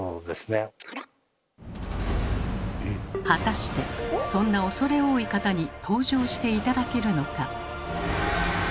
果たしてそんな恐れ多い方に登場して頂けるのか。